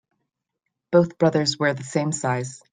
Both brothers wear the same size.